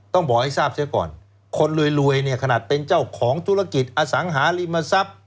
ต้องบอกให้ทราบเสียก่อนคนรวยเนี่ยขนาดเป็นเจ้าของธุรกิจอสังหาริมทรัพย์